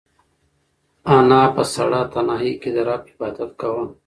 انا په سړه تنهایۍ کې د رب عبادت کاوه.